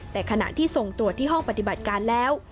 แต่ขณะที่ส่งตรวจที่ห้องปฏิบัติการแล้ว